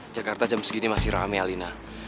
jakarta jam segini masih rame alina